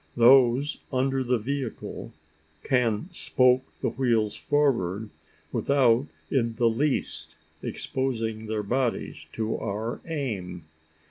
Those under the vehicle can "spoke" the wheels forward, without in the least exposing their bodies to our aim.